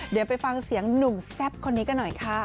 เดี๋ยวไปฟังเสียงหนุ่มแซ่บคนนี้กันหน่อยค่ะ